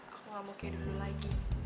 aku gak mau kayak dulu lagi